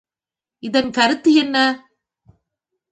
இதன் கருத்து என்ன?